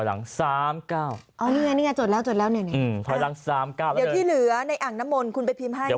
เดี๋ยวที่เหลือในอังนมนต์คุณไปพิมพ์ให้ซะนะ